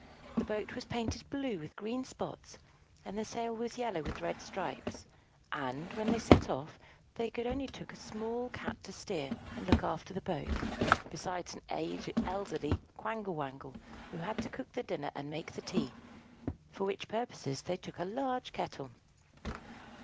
The boat was painted blue with green spots, and the sail was yellow with red stripes: and, when they set off, they only took a small Cat to steer and look after the boat, besides an elderly Quangle Wangle, who had to cook the dinner and make the tea; for which purposes they took a large kettle.